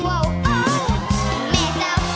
ที่พอจับกีต้าร์ปุ๊บ